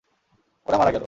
ওরা মারা গেলো!